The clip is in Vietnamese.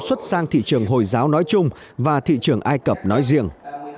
xuất sang thị trường hồi giáo nói chung và thị trường ai cập nói riêng